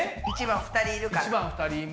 １番２人いますから。